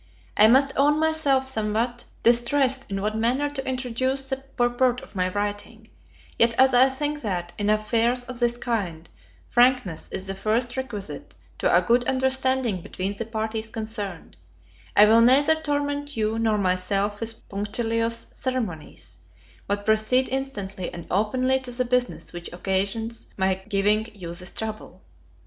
I must own myself somewhat distressed in what manner to introduce the purport of my writing; yet as I think that, in affairs of this kind, frankness is the first requisite to a good understanding between the parties concerned, I will neither torment you nor myself with punctilious ceremonies, but proceed instantly and openly to the business which occasions my giving you this trouble.